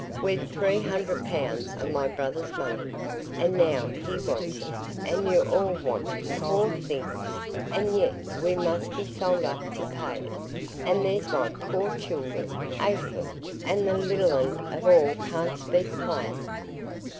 "We've three hundred pounds o' my brother's money, and now he wants it, and you all want it, poor things!—and yet we must be sold up to pay it, and there's my poor children,—eight of 'em, and the little un of all can't speak plain.